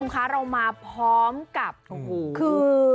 คุณค่ะเรามาพร้อมกับคือ